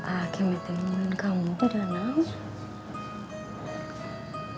akemen temen kamu tuh udah nangis